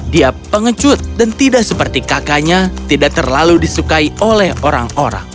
dia pengecut dan tidak seperti kakaknya tidak terlalu disukai oleh orang orang